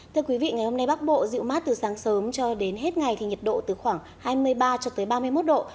thưa quý vị ngày hôm nay bắc bộ dịu mát từ sáng sớm cho đến hết ngày thì nhiệt độ từ khoảng hai mươi ba cho tới ba mươi một độ